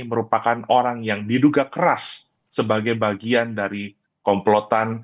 merupakan orang yang diduga keras sebagai bagian dari komplotan